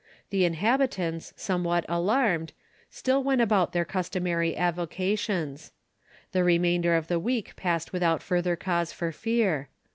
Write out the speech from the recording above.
The inhabitants, somewhat alarmed, still went about their customary avocations. The remainder of the week passed without further cause for fear.